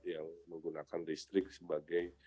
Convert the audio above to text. yang menggunakan listrik sebagai